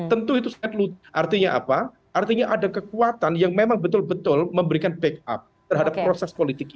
oke tentu itu sangat lucu artinya apa artinya ada kekuatan yang memang betul betul memberikan back up terhadap proses politik